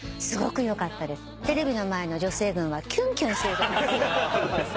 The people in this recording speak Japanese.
テレビの前の女性軍はキュンキュンして。